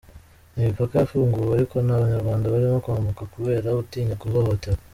Imipaka yafunguwe ariko nta Banyarwanda barimo kwambuka kubera gutinya guhohoterwa.